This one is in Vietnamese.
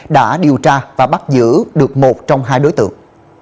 đã điều tra và bắt giữ được một trong hai đối tượng